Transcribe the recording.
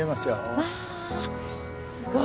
わあすごい。